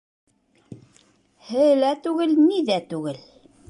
— Һе лә түгел, ни ҙә түгел.